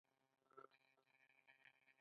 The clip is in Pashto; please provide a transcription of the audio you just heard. د ایران راډیو ډیرې خپرونې لري.